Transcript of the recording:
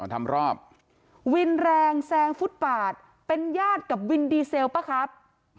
ทำรอบวินแรงแซงฟุตปาดเป็นญาติกับวินดีเซลปะครับ